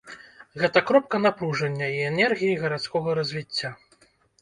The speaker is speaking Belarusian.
Гэта кропка напружання і энергіі гарадскога развіцця.